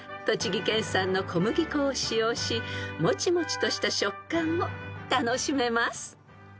［栃木県産の小麦粉を使用しもちもちとした食感も楽しめます］